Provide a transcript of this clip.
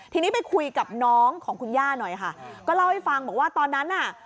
ทีนี้ไปคุยกับน้องของคุณย่าหน่อยค่ะก็เล่าให้ฟังบอกว่าตอนนั้นน่ะ